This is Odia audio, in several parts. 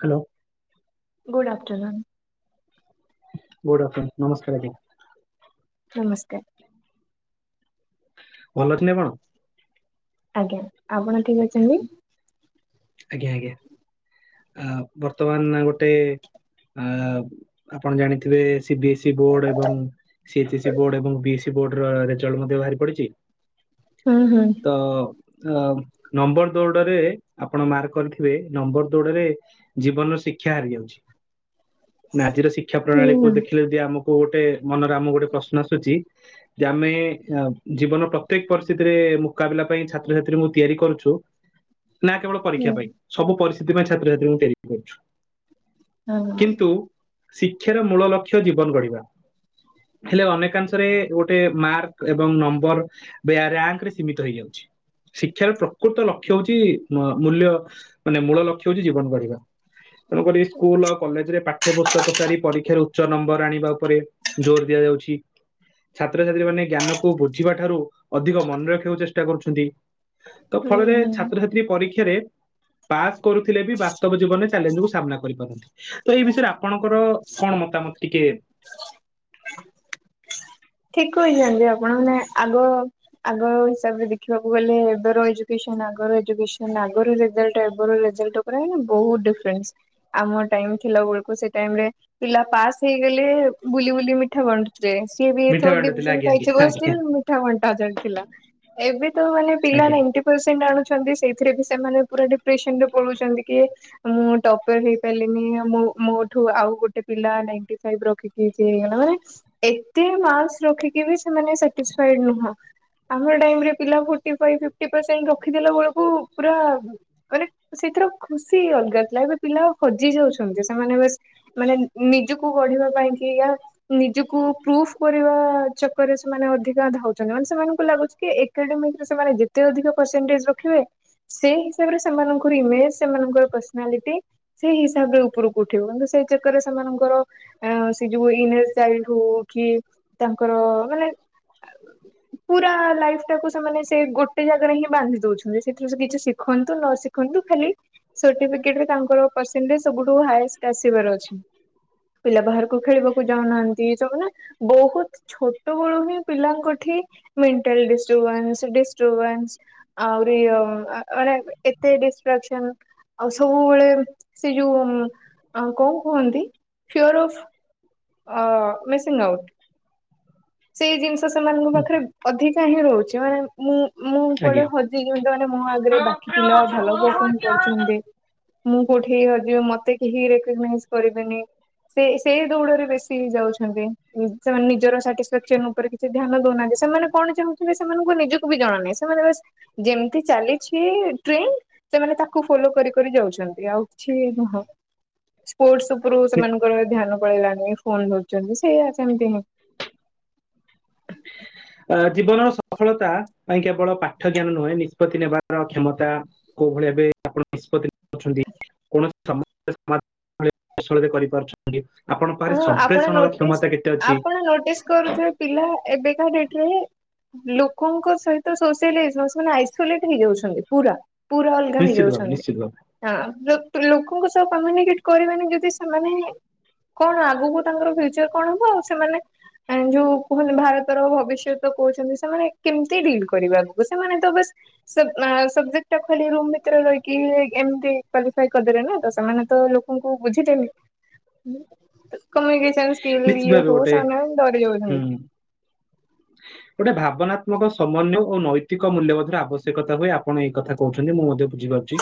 Hello good afternoon good afternoon ନମସ୍କାର ଆଜ୍ଞା। ନମସ୍କାର ଭଲ ଥିଲେ ଆପଣ। ଆଜ୍ଞା ଆପଣ ଠିକ ଅଛନ୍ତି। ଆଜ୍ଞା ଆଜ୍ଞା ଆ ବର୍ତ୍ତମାନ ଗୋଟେ ଅ ଆପଣ ଜାଣିଥିବେ। ବି ଏସ୍ ସଇ ବୋର୍ଡ ଏବଂ ସି ଏଚ ସଇ ବୋର୍ଡ ଏବଂ ବି ବୋଡ ରେଜଲ୍ଟ ମଧ୍ୟ ବାହାରି ପଡିଛି। ହୁଁ ହୁଁ ତ ଅ ନମ୍ବର ଦୌଡ଼ରେ ଆପଣ ମାର୍କ କରିଥିବେ ନମ୍ବର ଦୋଡରେ ଜୀବନର ଶିକ୍ଷା ହାରି ଯାଉଛି। ନା ଆଜିର ଶିକ୍ଷା ହୁଁ ପ୍ରଣାଳୀ ହୁଁ କ ଦେଖିଲେ ଯଦି ଆମକୁ ଗୋଟେ ମନରେ ଆମ ଗୋଟେ ପ୍ରଶ୍ନ ଆସୁଛି ଯେ ଆମେ ଜୀବନ ପ୍ରତ୍ୟେକ ପରିସ୍ଥିତିରେ ମୁକାବିଲା ପାଇଁ ଛାତ୍ରଛାତ୍ରୀ ମୁ ତିଆରି କରୁଛୁ। ନା କେବଳ ପରୀକ୍ଷା ପାଇଁ ସବୁ ପର ସଥି ଛାତଛାତ୍ରୀଙ୍କୁତି କରଛୁ। ହଁ। ଶିକ୍ଷାର ମୂଳ ଲକ୍ଷ୍ୟ ଜୀବନ ଗଢିବା ହେଲେ ଅନେକାଂଶରେ ଗୋଟେ ମାର୍କ ଏବଂ ନମ୍ବର ରଙ୍କରେ ସୀମିତ ହେଇଯାଉଛି ଶିକ୍ଷାର ପ୍ରକୃତ ଲକ୍ଷ୍ୟ ହଉଛି। ମୂଲ୍ୟ ମାନେ ମୂଳ ଲକ୍ଷ୍ୟ ହଉଛି ଜୀବନ କଢିବା। ତେଣୁକରି ସ୍କୁଲ ଆଉ କଲେଜରେ ପାଠ୍ୟ ପୁସ୍ତକ ସାରି ପରୀକ୍ଷାରେ ଉଚ୍ଚ ନମ୍ବର ଆଣିବା ଉପରେ ଜୋର ଦିଆଯାଉଛି ଛାତ୍ରଛାତ୍ରୀ ମାନେ ଜ୍ଞାନକୁ ବୁଝିବା ଠାରୁ ଅଧିକ ମନେ ରଖିବାକୁ ଚେଷ୍ଟା କରୁଛନ୍ତି। ତା ହୁଁ ଫଳରେ ହୁଁ ଛାତ୍ରଛାତ୍ରୀ ପରୀକ୍ଷାରେ ପାସ୍ କରୁଥିଲେ ବି ବାସ୍ତବ ଜୀବନରେ ଚଲେଞ୍ଜ କ ସାମ୍ନା କରିପାରନ୍ତି ତ ଏଇ ବିଷୟରେ ଆପଣଙ୍କର କଣ ମତାମତ ଟିକେ [inaudible] ଠିକ କହିଛନ୍ତି ଆପଣ ମାନେ ଆଗ ଆଗ ହିସାବରେ ଦେଖିବାକୁ ଗଲେ ଏବେର ଏଜୁକେସନ ଆଗ ଏଜୁକେସନ ଆଗର ରେଜଲ୍ଟ ରେ ବହୁତ୍ ଡିଫରେନ୍ସ ଆମ ଟାଇ ଥିଲା ବେଳକୁ ସେ ଟାଇରେ ପିଲା ପାସ୍ ହେଇଗଲେ ବୁଲି ବୁଲି ମିଠା ବଣ୍ଟୁଥିଲେ ସିଏ ବି ମିଠା ଫୋର୍ ବାଣ୍ଟୁ ଥିଲେ ଡିଭିଜନ ଆଜ୍ଞା ଆଜ୍ଞା ପାଇଥିବ ଆଜ୍ଞା ଷ୍ଟିଲ ମିଠା ବଣ୍ଟାଯାଉଥିଲା ଏବେ ତ ମାନେ ପିଲା ଆଜ୍ଞା ନାଇଣ୍ଟୀ ପରସେଣ୍ଟେଜ୍ ଆଣୁଛନ୍ତି ସେଥିରେ ବି ସେମାନେ ପୁରା ଡିପ୍ରେସନରେ ପଳଉଛନ୍ତି କି ମୁ ଟପର ହେଇପାରିଲିନି ମୋଠୁ ଆଉ ଗୋଟେ ପିଲା ନାଇଣ୍ଟି ଫାଇପ ରଖି ଦେଇଛି ମାନେ ମାର୍କ ରଖିକିବି ସେମାନେ ସାଟିପ୍ସାଏଡ ନୁହଁ ଆମ ଟାଇମ ରେ ପିଲା ଫୋଟି ଫାଇପ ଫିଫ୍ଟୀ ପର୍ଷେଣ୍ଟ ରଖିଦେଲା ବେଳକୁ ପୁରା ମାନେ ସେଥିର ଖୁସି ଅଲଗା ଥିଲା ଏବେ ପିଲା ହଜି ଯାଉଛନ୍ତି ସେମାନେ ମାନେ ନିଜକୁ ଗଢିବା ପାଇଁ ନିଜକୁ ପ୍ରୁଫ ସମୟ ଚକରେ ସେମାନେ ଅଧିକ ଧାଉଁଛନ୍ତି ମାନେ ସେମାନଙ୍କୁ ଲାଗୁଛି ଏକାଡମିକରେ ସେମାନେ ଯେତି ଅଧିକ ପରସେଣ୍ଟଜ୍ ରଖିବେ ସେ ହିସାବରେ ସେମାନଙ୍କର ବି ଇମେଜ୍ ସେମାନଙ୍କର ପରସୋନାଲିଟୀ ସେଇହିସାବରେ ଉପରକୁ ଉଠିବ ମନେ ଚେକ କରିବେ ସେମାନଙ୍କର ସେ ଯୋଉ ଇନେସାଇଡ ହୋଉ କି ତାଙ୍କର ମାନେ ପୁରା ଲାଇଫ ଟାକୁ ସେମାନେ ସେ ଗୋଟେ ରେ ହିଁ ବାନ୍ଧି ଦଉଛନ୍ତି ସେଥିରୁ ସେ କିଛି ଶିଖନ୍ତୁ ନ ଶିଖନ୍ତୁ ଖାଲି ସେ କେମିତି ତାଙ୍କର ପର୍ସେଣ୍ଟେଜ୍ ସବୁଠୁ ହାଏଷ୍ଟ ଆସିବାର ଅଛି ପିଲା ବାହାରକୁ ଖେଳିବାକୁ ଯାଉନାହାନ୍ତି ସବୁ ବହୁତ ଛୋ ତଳୁ ହିଁ ପିଲାଙ୍କଠି ମେଣ୍ଟାଲ [unintelligible] ଆହୁରି ଏତେ ଡିସଟ୍ରାକ୍ସନ ଆଉ ସବୁବେଳେ ସେ ଯେଉଁ କଣ କୁହନ୍ତି ଫିଓର ଅଫ୍ ମିସିଙ୍ଗ ଆଉଟ୍ ସେଇ ଜିନିଷ ସେମାନଙ୍କ ପାଖରେ ଅଧିକା ହିଁ ରହୁଛି। [unintelligible] ମୁଁ। ମୁଁ କୁଆଡେ ହଜି ଯେମି ମାନେ ମୋ ଆଗରେ ବାକି ପିଲା ଭଲ ହୁଁ ପରଫମ କରୁଛନ୍ତି। ଆଜ୍ଞା। ମୁଁ କୋଉଠି ହଜିବ ମତେ କେହି ରେକମେନ୍ସ କରିବେନି ସେ ସେ ଦୌଡରେ ବେଶୀ ଯାଉଛନ୍ତି ସେମାନେ ନିଜର ସାଟିସ। ମୋ ଉପରେ କିଛି ଧ୍ୟାନ ଦଉନାହାନ୍ତି ସେମାନେ କଣ ଚାହୁଁଛନ୍ତି ସେମାନଙ୍କୁ ନିଜକୁ ବି ଜଣାନାହିଁ ସେମାନେ ବାସ ଯେମିତି ଚାଲିଛି ଟ୍ରେଣ୍ଡ ସେମାନେ ତାକୁ ଫଲୋ କରି କରି ଯାଉଛନ୍ତି ଆଉ କିଛି ନୁହଁ ସ୍ପୋର୍ଟସ ଉପରୁ ସେମାନ ଧ୍ୟାନ ପଳେଇଲାନି ଫୋନ ଧରୁଛନ୍ତି ସେଇଆ ସେମିତି ହିଁ। ଅ ଜୀବନର ସଫଳତା ପାଇଁ କେବଳ ପାଠ ଜ୍ଞାନ ନୁହେଁ ନିଷ୍ପତ୍ତି ନେବାର କ୍ଷମତା କୋଉ ଭଳି ଏବେ ଆପଣ ନିଷ୍ପତ୍ତି ଅଛନ୍ତି କୌଣସ ସମସ୍ତ [unintelligible] କରିପାରୁଛନ୍ତି। [unintelligible] ହଁ ଆପଣ ସମ୍ପ୍ରେଷଣର ନୋଟିସ୍ କ୍ଷମତା କେତେ ଅଛି ଆପଣ ନୋଟିସ୍ କରୁଥିବେ ପିଲା ଏବେକା ଡେଟରେ ଲୋକଙ୍କ ସହିତ ସୋସିଆଲ ହେଇଯିବ ସେମାନେ ଆଇସୋଲେଟ ହେଇଯାଉଛନ୍ତି ପୁରା। ପୁରା ଅଲଗା ନିଶ୍ଚିତ ଭାବେ ହେଇଯାଉଛନ୍ତି ନିଶ୍ଚିତ ଭାବେ ହଁ ଲୋକଙ୍କ ସହ କମ୍ୟୁନିକେଟ କରିବାନି ଯଦି ସେମାନେ। କଣ ଆଗକୁ ତାଙ୍କର ଫ୍ୟୁଚର କଣ ହବ ଆଉ ସେମାନେ ଯୋଉ କୁହନ୍ତି ଭାରତର ଭବିଷ୍ୟତ କହୁଛନ୍ତି ସେମାନେ କେମିତି ଡିଲ୍ କରିବେ ଆଗକୁ ସେମାନେ ତ ବାସ ସବଜେକ୍ଟ ଟା ଖୋଲିକି ରୁମ୍ ଭିତରେ ରହିକି ଏମତି କ୍ବଲିଫାଇ କରିଦେଲେ ନା ତ ସେମାନେ ତ ଲୋକଙ୍କୁ ବୁଝିବେନି। କମ୍ୟୁନିକେଶନ୍ ସ୍କିିଲ୍ ନିଶ୍ଚିତ ଇଏ ଭାବେ ହଉ ଗୋଟେ ସେମାନେ ଡରିଯାଉଛନ୍ତି। ହୁଁ ଗୋଟେ ଭାବନାତ୍ମକ ସମନ୍ୟ ଓ ନୈତିକ ମୂଲ୍ୟବୋଧର ଆବଶ୍ୟକତା ହୁଏ ଆପଣ ଏଇ କଥା କହୁଛନ୍ତି ମୁଁ ମଧ୍ୟ ବୁଝିପାରୁଛି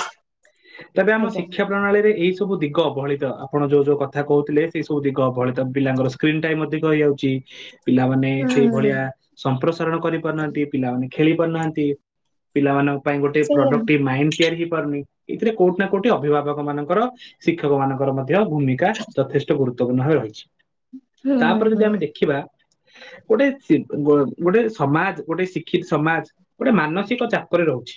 ତେବେ ଆମ ଆଜ୍ଞା। ଶିକ୍ଷା ପ୍ରଣାଳୀରେ ଏଇ ସବୁ ଦିଗ ଗ ଅବହେଳିତ ଆପଣ ଯୋଉ ଯୋଉ କଥା କହୁଥିଲେ ସେଇ ସବୁ ଦିିଗ ଅବହଳିତ ପିଲାଙ୍କର ସ୍କ୍ରିନ୍ ଟାଇମ୍ ଅଧିକ ହେଇଯାଉଛି ଇ। ପିଲାମାନେ ସେ। ହୁଁ ଭଳିଆ ସମ୍ପ୍ରସାରଣ କରିପାରୁନାହାନ୍ତି ପିଲାମାନେ। ଖେଳି ପାରୁନାହାନ୍ତି ପିଲାମାନ ପାଇଁ ଗୋଟେ ସେଇଆ ପ୍ରଡକ୍ଟିଭ୍ ମାଇଣ୍ଡ। ତିଆରି ହେଇ ପାରୁନି, ଏଥିରେ କୋଉଠି ନା କୋଉଠି ଅଭିଭାବକମାନଙ୍କର ଶିକ୍ଷକମାନଙ୍କର ମଧ୍ୟ ର ଭୂମିକା ଯଥେଷ୍ଟ ଗୁରୁ [unintelligible] ଭାବେରହିଛି। ହୁଁ ତାପରେ ଯଦି ହୁଁ। ଆମେ ଦେଖିବା ଗୋଟେ ଶି ଗୋଟେ ସମାଜ ଗୋଟେ ଶିକ୍ଷିତ୍ ସମାଜ ଗୋଟେ ମାନସିକ ଚାପରେ ରହୁଛି,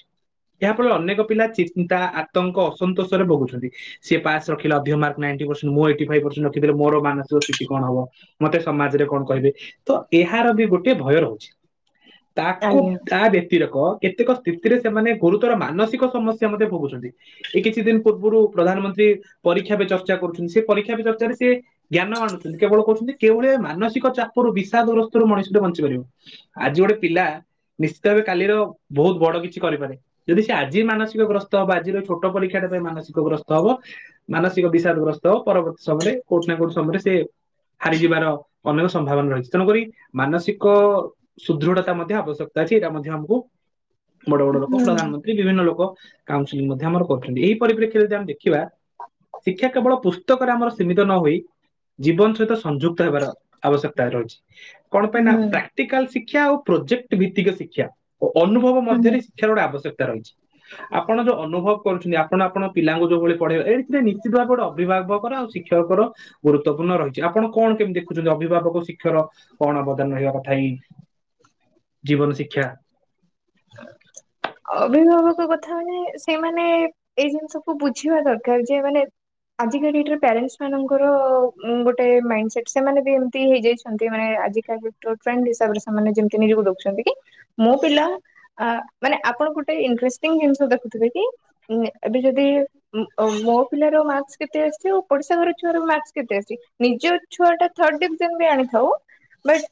ଏହା ଫଳରେ ଅନେକ ପିଲା ଚିନ୍ତା ଆତଙ୍କ ଅସନ୍ତୋଷରେ ଭୋଗୁଛନ୍ତି ସିଏ ପାସ୍ ରଖିଲେ ଅଧିକ ମାର୍କ ନାଇଣ୍ଟି ପରସେଣ୍ଟ୍ ମୁଁ ଏଇଟ୍ ଫାଇବ୍ ପରସେଣ୍ଟ୍ ରଖିଦେଲେ ମୋର ମାନସିକ ସ୍ଥିତି କଣ ହବ ମତେ ସମାଜରେ କଣ କହିବେ। ତ ଏହାର ବି ଗୋଟେ ଭୟ ରହୁଛି। ତାକୁ ଆଜ୍ଞା। ତା [unintelligible] [unintelligible] କେତେକ ସ୍ଥିତିରେ ସେମାନେ ଗୁରୁତର ମାନସିକ ସମସ୍ୟା ମଧ୍ୟ ଭୋଗୁଛନ୍ତି, ଏ କିଛି ଦିନ ପୂର୍ବରୁ ପ୍ରଧାନମନ୍ତ୍ରୀ ପରୀକ୍ଷା [unintelligible] ଚର୍ଚ୍ଚା କରୁଛନ୍ତି ସେ ପରୀକ୍ଷା [unintelligible] ଚର୍ଚ୍ଚାରେ ସେ ଜ୍ଞାନ ଆଣୁଛନ୍ତି କେବଳ କହୁଛନ୍ତି କେଉଁଭଳି ମାନସିକ ଚାପରୁ ବିସ୍ [unintelligible] ମଣିଷ [unintelligible] ବଞ୍ଚି ପାରିବୁ ଆଜି ଗୋଟେ ପିଲା ନିଶ୍ଚିତ ଭାବେ କାଲିର ବହୁତ ବଡ କିଛି କରିପାରେ ଯଦି ସେ ଆଜି ମାନସିକଗ୍ରସ୍ତ ହବ ଆଜିର ଏଇ ଛୋଟ ପରୀକ୍ଷାଟା ପାଇଁ ମାନସିକଗ୍ରସ୍ତ ହବ ମାନସିକ ବିଷାଦଗ୍ରସ୍ତ ହବ ପରବର୍ତ୍ତୀ ସମୟରେ କୋଉଠି ନା କୋଉଠି ସମୟରେ ସେ ହାରିଯିବାର ଅନେକ ସମ୍ଭାବନା ରହିଛି। ତେଣୁକରି ମାନସିକ ସୁଦୃଢତା ମଧ୍ୟ ଆବଶ୍ୟକତା ଅଛି ଏଇଟା ମଧ୍ୟ ଆମକୁ୍ ବଡ ବଡ ଲୋକ ହୁଁ ପ୍ରଧାନମନ୍ତ୍ରୀ ବିଭିନ୍ନ ଲୋକ। କାଉନସେଲିଙ୍ଗ୍ ମଧ୍ୟ ଆମର କରୁଛନ୍ତି ଏଇ ପରିପ୍ରେକ୍ଷୀରେ ଯଦି ଆମେ ଦେଖ୍ ଖିବା ଶିକ୍ଷା କେବଳ ପୁସ୍ ସ୍ତକରେ ଆମର ସୀମିତ ନ ହୋଇ ଜୀବନ ସହିତ ସଂଯୁକ୍ତ ହେବାର ଆବଶ୍ୟକତା ରହିଛି। [inaudible] କଣ ପାଇଁ ନା ହୁଁ ପ୍ରାକ୍ଟିକାଲ ଶିଖ୍ କ୍ଷା ଅଉ ପ୍ରୋଜେକ୍ଟ ଭିତ୍ତିକ ଶିକ୍ଷା। ଓ ଅନୁଭବ ହୁଁ ମଧ୍ୟରେ ଶିକ୍ଷାର ଗୋଟେ ଆବଶ୍ୟକ୍ [unintelligible] ରହିଛି, ଆପଣ ଯୋଉ ଅନୁଭବ କରୁଛନ୍ତି ଆପଣ ଆପଣ ପିଲାଙ୍କୁ ଯୋଉ ଭଳି ପଢେଇବେ ଏଇଥିରେ ନିଶ୍ଚିତ ଭାବରେ ଗୋଟେ ଅଭିଭାବକର ଆଉ ଶିକ୍ଷକର ଗୁରୁତ୍ୱପୂର୍ଣ୍ଣ ରହିଛି ଆପଣ କଣ କେମିତି ଦେଖୁଛନ୍ତି ଅଭିଭାବକ ଶିକ୍ଷର କଣ ଅବଦାନ ରହିବା କଥା ଏଇ ଜୀବନ ଶିକ୍ଷା। ଅଭିଭାବକ କଥା ମାନେ ସେମାନେ ଏଇ ଜିନିଷକୁ ବୁଝିବା ଦରକାର ଯେ ମାନେ ଆଜିକା ଡେଟରେ ପ୍ୟାରେଣ୍ଟସମାନଙ୍କର ଗୋଟେ ମାଇଣ୍ଡ୍ ସେଟ୍ ସେମାନେ ବି ଏମତି ହେଇଯାଇଛନ୍ତି ମାନେ [unintelligible] ହିସାବରେ ସେମାନେ ଯେମିତି ନିଜକୁ ଦେଖୁଛନ୍ତି କି ମୋ ପିଲା ଆ ମାନେ ଆପଣ ଗୋଟେ ଇଣ୍ଟ୍ରେଷ୍ଟିଙ୍ଗ୍ ଜିନିଷ ଦେଖୁଥିବେ କି ଏବେ ଯଦି ମୋ ପିଲାର ମାର୍କସ୍ କେତେ ଆସିଛି ଆଉ ପଡିଶା ଘର ଛୁଆର ମାର୍କସ୍ କେତେ ଆସିଛି ନିଜ ଛୁଆଟା ଥାର୍ଡଡିଭିଜନ ବି ଆଣିଥାଉ ବଟ୍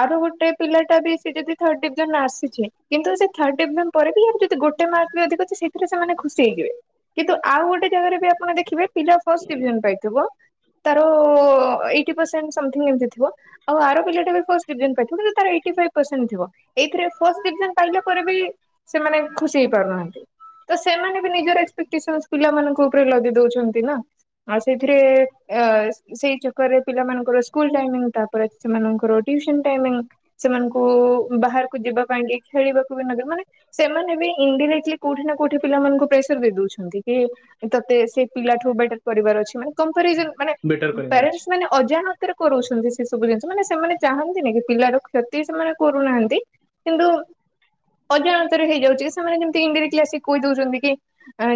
ଆର ଗୋଟେ ପିଲାଟା ବି ସେ ଯଦି ଥାର୍ଡ ଡିଭ୍ ଜନ ଆସିଛି କିନ୍ତୁ ସେ ଥାର୍ଡଡିଭିଜନ ପରେ ବି ଯଦି ଗୋଟେ ମାର୍କ ବି ଅଧିକ ଅଛି ସେଥିରେ ସେମାନେ ଖୁସି ହେଇଯିବେ, କିନ୍ତୁ ଆଉ ଗୋଟେ ଜାଗାରେ ବି ଆପଣ ଦେଖିବେ ପିଲା ଫାଷ୍ଟ୍ ଡିଭିଜନ୍ ପାଇଥିବ ତାର ଏଇଟି ପର୍ସେଣ୍ଟ୍ ସମଥିଙ୍ଗ୍ ଏମତି ଥିବ ଆଉ ଆର ପିଲାଟା ବି ଫାର୍ଷ୍ଟଡିଭିଜନ ପାଇଥିବ କିନ୍ତୁ ଏଇଟିଫାଇପ୍ ପରସେଣ୍ଟ୍ ଥିବ। ଏଇଥିରେ ଫାଷ୍ଟ୍ ଡିଭିଜନ୍ ପାଇଲା ପରେ ବି ସେମାନେ ଖୁସି ହେଇପାରୁନାହାନ୍ତି, ତ ସେମାନେ ବି ନିଜର ଏକ୍ସପେକ୍ଟେସନ୍ ପିଲାମାନଙ୍କ ଉପରେ ଲଦି ଦଉଛନ୍ତି ନା, ଆଉ ସେଇଥିରେ ଏଏ ସେଇ ଚକ୍କରେ ପିଲାମାନଙ୍କର ସ୍କୁଲ ଟାଇମିଙ୍ଗ୍ ତାପରେ ସେମାନଙ୍କ ର ଟ୍ଯୁସନ୍ ଟାଇମିଙ୍ଗ୍ ସେମାନଙ୍କୁ ବାହାର୍ [unintelligible] ପାଇଁକି ଖେଳିବାକୁ ବି ନେବେ ମାନେ ସେମାନେ ବି ଇଣ୍ଡିଭ୍ ହେଇଚି କୋଉଠି ନା କୋଉଠି ପିଲମାନଙ୍କୁ ପ୍ରେସର୍ ଦେଇଦେଉଛୁ। ଏମିତିକି ତତେ ସେ ପିଲାଠୁ ବେଟର କରିବାର ଅଛି ମାନେ କମ୍ପାରିଜନ ମାନେ ବେଟର କରିବାର ଅଛି ପ୍ୟାରେଣ୍ଟ ମାନେ ଅଜାଣତରେ କରଉଛନ୍ତି ସେ ସବୁ ଜିନିଷ ମାନେ ସେମାନେ ଚାହାନ୍ତି କି ପିଲାର କ୍ଷତି ସେମାନେ କରୁନାହାନ୍ତି। କିନ୍ତୁ ଅଜାଣତରେ ହେଇଯାଉଛି ସେମାନେ ଯେମିତି ଇରାଜି ଆସି କହି ଦଉଛନ୍ତି କି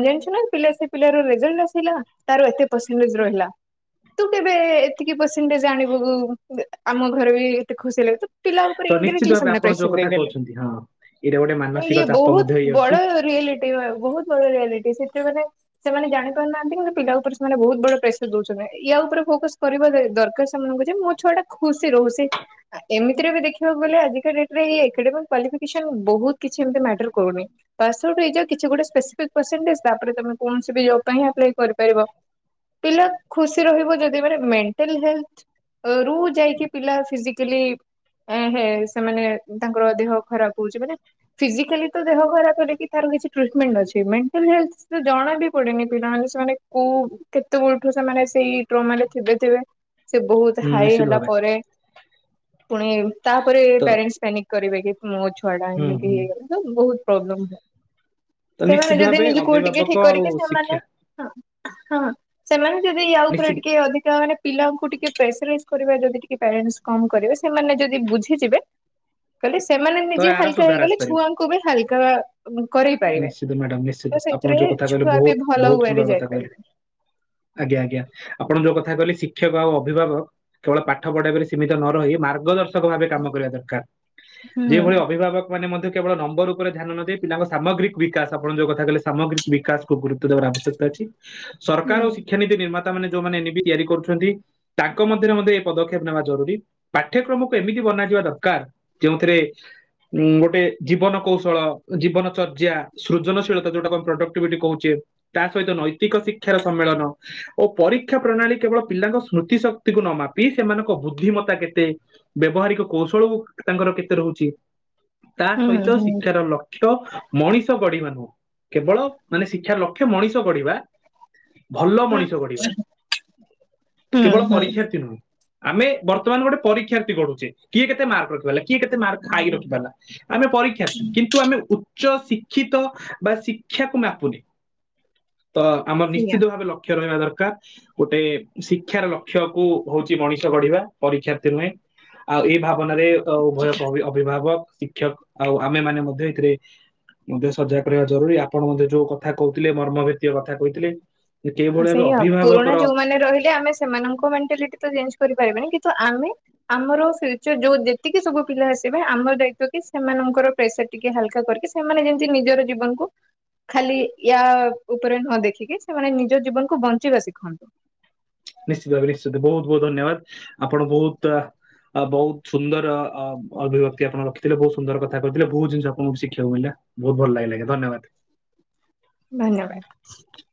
ଜାଣିଛୁ ନା ପିଲା ସେ ପିଲାର ରେଜଲ୍ଟ ଆସିଲା ତାର ଏତେ ପର୍ସେଣ୍ଟେଜ ରହିଲା ତୁ କେବେ ଏତିକି ପସେଣ୍ଟେ ଆଣିବୁ ଆମ ଘରେ ବି ଏତେ ଖୁସି ହେଲ୍ ତୁ ପିଲା ତ ଉପରେ ନିଶ୍ଚିତ ଇନ୍ଡାଇରେକ୍ଟଲି ଭାବେ ସେମାନେ। ଆପଣ ଯୋଉ କଥା ଛିଡେଇଦେଲେ କହୁଛନ୍ତି ହଁ ଏଇଟା ଗୋଟେ ମାନସିକ ଇଏ ଚାପ ମଧ୍ୟ ବହୁତ ହେଇଯାଉଛି ବଡ ରିଆଲିଟି ବହୁତ ବଡ ରିଆଲିଟ୍ ସେଥିରେ ସେମାନେ ଜାଣି ପାରୁନାହାନ୍ତି କି ପିଲା ଉପରେ ସେମାନେ ବହୁତ ବଡ ପ୍ରେସର ଦଉଛନ୍ତି ୟା ଉପରେ ଫୋକସ କରିବା ଦରକାର ସେମାନଙ୍କୁ ଯେ ମୋ ଛୁଆ ଟା ଖୁସି ରହୁ ଏମିତିରେ ବି ଦେଖିବାକୁ ଗଲେ ଆଜିକା ଡେଟ୍ ଏ ଏକାଡେମି କ୍ୱାଲିଫିକେସ ବହୁତ କିଛି ଏମିତି ମ୍ୟାଟର କରୁନି ପାସ ଆଉଟ୍ ହେଇଯାଅ। କିଛି ଗୋଟେ ସ୍ପେସିଫିକ୍ ପସେଣ୍ଟେଜ ତାପରେ ତମେ କୌଣସି ବି ଜବ ପାଇଁଁ ଆପ୍ଲାଏ କରିପାରିବ ପିଲା ଖୁସି ରହିବ ଯଦି ମାନେ ମେଣ୍ଟାଲ ହେଲଥ ରୁ ଯାଇକି ପିଲା ଫିଜିକାଲି ହେ ସେମାନେ ତାଙ୍କର ଦେହ ଖରାପ ହଉଛି ମାନେ ଫିଜିକାଲି ତ ଦେହ ଖରାପ ହେଲେ କି ତାର କିଛି ଟ୍ରିଟମେଣ୍ଟ ଅଛି ମଣ୍ଟାଲି ଜଣା ବି ପଡେନି ପିଲାମାନେ ସେମାନେ କୋଉ କେତେବେଳଠୁ ସେମାନେ ସେଇ ଟ୍ରମ ରେ ଥିବେ ଥିବେ ସେ ବହୁତ ହୁଁ ହାଇ ନିଶ୍ଚିତ ହେଲା ଭାବେ ପରେ ଏ ପୁଣି ଇ ତାପରେ ଏ ତ ପ୍ୟାରେଣ୍ଟସ୍ କରିବେ କି ମୋ ଛୁଆ ଟା ହୁଁ ଏମିତି ହୁଁ ହେଇଗଲା ତ ବହୁତ ପ୍ରୋବ୍ଲେମ୍ ହେ ତ ସେମାନେ ନିଶ୍ଚିତ ଯଦି ଭାବେ ନିଜକୁ ଟିକେ ଅଭିଭାବକ ଠିକ ଆଉ କରିକି ସେମାନେ ଶିକ୍ଷା ହଁ ହଁ ହଁ ସେମାନେ ଯଦି ୟା ଉପରେ ନିଶ୍ଚିତ ଟିକେ ଅଧିକା ମାନେ ପିଲାଙ୍କୁ ଟିକେ ପ୍ରେସରାଇଜ କରିବା ଯଦି ଟିକ ପ୍ୟାରେଣ୍ଟସ କମ୍ କରିବେ ସେମାନେ ଯଦି ବୁଝିଯିବେ କଲେ ସେମାନେ ତ ନିଜେ ଏହାର ହାଲକା ସୁଧାର ହେଇଗଲେ ଆସିପାରିବ ଛୁଆଙ୍କୁ ବି ହାଲ୍କା ନିଶ୍ଚିତ ମାଡାମ ନିଶ୍ଚିତ ଆପଣ ସେଥିରେ ଯୋଉ କଥା କହିଲେ ଛୁଆ ବି ବହୁତ ଭଲ ବହୁତ ୱେରେ ସୁନ୍ଦର କଥା କହିଲେ ଯାଇପାରିବେ। ଆଜ୍ଞା ଆଜ୍ଞା ଆପଣ ଯୋଉ କଥା କହିଲେ ଶିକ୍ଷକ ଆଉ ଅଭିଭାବକ କେବଳ ପାଠ ପଢେଇବାରେ ସୀମିତ ନ ରହି ମାର୍ଗଦର୍ଶନ କ ଭାବେ କାମ କରିବା ଦରକାର ହୁଁ। ଯେଉଭଳି ଅଭିଭାବକ ମାନେ ମଧ୍ୟ କେବଳ ନମ୍ବର ଉପରେ ଧ୍ୟାନ ନଦେଇ ପିଲାଙ୍କ ସାମଗ୍ରିକ ବିକାଶ ଆପଣ ଯୋଉ କଥା କହିଲେ ସାମଗ୍ରୀିକ ବିକାଶକୁ ଗୁରୁ୍ତ୍ବ ଦେବାର ଆବଶ୍ୟକ ଅଛି। ହୁଁ। ସରକାର ଓ ଶିକ୍ଷାନୀତି ନିର୍ମାତ ତା ମାନେ ଯୋଉମାନେ ବି ତିଆରି କରୁଛନ୍ତି ତାଙ୍କ ମଧ୍ୟରେ ମଧ୍ୟ ଏ ପଦକ୍ଷେପ ନେବା ଜରୁରୀ ପାଠ୍ୟକ୍ରମକୁ ଏମିତି ବନାଯିବା ଦରକାର ଯେଉଁଥିରେ ଉ ଗୋଟେ ଜୀବନ କୌଶଳ ଜୀବନ ଚର୍ଯ୍ୟା ସୃଜନଶୀଳତା ଯୋଉଟା ଆମେ ପ୍ରଡକ୍ଟିଭିଟି କହୁଛେ ତା ସହିତ ନୈତିକ ଶିକ୍ଷାର ସମ୍ମିଳନ ଓ ପରୀକ୍ଷା ପ୍ରଣାଳୀ କେବଳ ପିଲାଙ୍କ ସ୍ମୃତି ଶକ୍ତିକୁ ନ ମାପି ସେମାନଙ୍କ ବୁଦ୍ଧିମତା କେତେ ବ୍ୟବହାରିକ କୌଶଳକୁ ତାଙ୍କର କେତେ ରହୁଛି? ତା ହୁଁ ସହିତ ହୁଁ ଶିକ୍ଷାର ଲକ୍ଷ୍ୟ ହିତ। ମଣିଷ ଗଢିବା ନୁହଁ କେବଳ ମାନେ ଶିକ୍ଷାର ଲକ୍ଷ୍ୟ ମଣିଷ ଗଢିବା। ଭଲ ହୁଁ ମଣିଷ ଗଢିବା ହୁଁ କେବଳ ହୁଁ ପରୀକ୍ଷାର୍ଥୀ ନୁହେଁ। ଆମେ ବର୍ତ୍ତମାନ ଗୋଟେ ପରୀକ୍ଷାର୍ଥୀ ଗଢୁଛେ କିଏ କେତେ ମାର୍କ ରଖିପାରିଲା କିଏ କେତେ ମାର୍କ ହାଇ ରଖିପାରିଲା। ଆମେ ପରୀକ୍ଷାର୍ଥୀ କିନ୍ତୁ ଆମେ ଉଚ୍ଚ ଶିକ୍ଷିତ ବା ଶିକ୍ଷାକୁ ମାପୁନି। ତ ଆମର ସେଇଆ। ନିଶ୍ଚିତ ଭାବେ ଲକ୍ଷ୍ୟ ରହିବା ଦରକାର ଗୋଟେ ଶିକ୍ଷାର ଲକ୍ଷ୍ୟକୁ ହଉଛି ମଣିଷ ଗଢିବା ପରୀକ୍ଷାର୍ଥୀ ନୁହେଁ ଆଉ ଏଇ ଭାବ ଭାବନାରେ ଉଭୟ ଅଭିଭାବକ ଶିକ୍ଷକ ଆଉ ଆମେ ମାନେ ମଧ୍ୟ ଏଥିରେ ମଧ୍ୟ ସଜାଗ କରିବା ଜରୁରୀ ଆପଣ ମଧ୍ୟ ଯୋଉ କଥା କହୁଥିଲେ ମର୍ମ ଭୀୟ କଥା କହିଥିଲେ। କେଉଁଭଳି ଭାବେ ସେଇଆ ଅଭିଭାବକର ପୁରୁଣା ଯୋଉମାନେ ରହିଲେ ଆମେ ସେମାନଙ୍କ ମେଣ୍ଟାଲି ତଞଜ କରି ପାରିବାନି କିନ୍ତୁ ଆମେ ଆମର ଫ୍ୟୁଚର ଯୋଉ ଯେତିକି ସବୁ ପିଲା ଆସିବେ ଆମର ଦାୟିତ୍ବ କି ସେମାନଙ୍କର ପ୍ରେସର ଟିକେ ହାଲକା କରିକି ସେମାନେ ଯେମିତି ନିଜର ଜୀବନକୁ ଖାଲି ୟା ଉପରେ ନ ଦେଖିକି ସେମାନେ ନିଜ ଜୀବନକୁ ବଞ୍ଚିବା ଶିଖନ୍ତୁ। ନିଶ୍ଚିତ ଭାବେ ନିଶ୍ଚିତ ବହୁତ ବହୁତ ଧନ୍ୟବାଦ ଆପଣ ବହୁତ ବହୁତ ସୁନ୍ଦର ଅଭିବ୍ୟକ୍ତି ଆପଣ ରଖିଥିଲେ ବହୁତ ସୁନ୍ଦର କଥା କହିଥିଲେ ବହୁତ ଜିନିଷ ଆପଣଙ୍କୁ ଶିଖିବାକୁ ମିଳିଲା ବହୁତ ଭଲ ଲାଗିଲା ଧନ୍ୟବାଦ। ଧନ୍ୟବାଦ